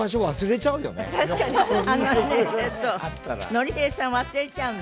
のり平さん忘れちゃうの。